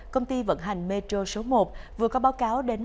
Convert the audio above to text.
công ty vận hành metro số một vừa có báo cáo đến